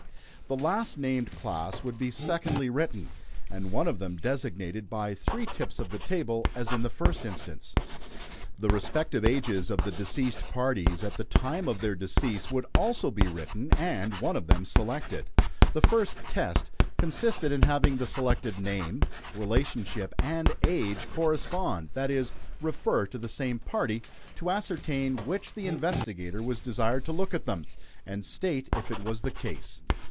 The last named class would be secondly written, and one of them designated by three tips of the table, as in the first instance. The respective ages of the deceased parties, at the time of their decease, would also be written, and one of them selected. The first "test" consisted in having the selected name, relationship, and age correspond that is, refer to the same party; to ascertain which the investigator was desired to look at them, and state if it was the case.